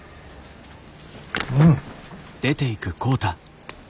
うん。